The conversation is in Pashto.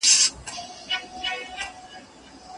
مدیر وایي چي ټول کارکوونکي باید خپلو دندو ته ژمن وي.